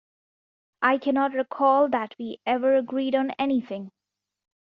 I cannot recall that we ever agreed on anything.